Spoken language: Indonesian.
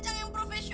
ke rumah ku pikir